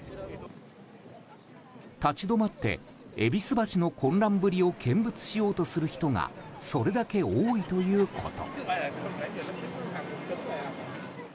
立ち止まって戎橋の混乱ぶりを見物しようとする人がそれだけ多いということ。